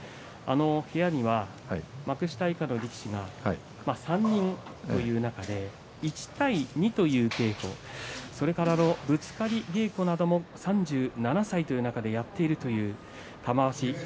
部屋には幕下以下の力士が３人という中で１対２という稽古それから、ぶつかり稽古なども３７歳という中でやっているという玉鷲。